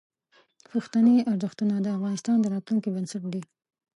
پښتني ارزښتونه د افغانستان د راتلونکي بنسټ دي.